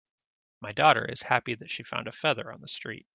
My daughter is happy that she found a feather on the street.